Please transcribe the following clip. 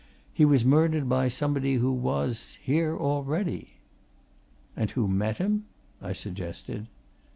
He was murdered by somebody who was here already!" "And who met him?" I suggested.